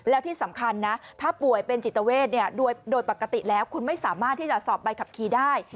แล้วที่สำคัญนะถ้าป่วยเป็นจิตเวทโดยปกติแล้วคุณไม่สามารถที่จะสอบใบขับขี่ได้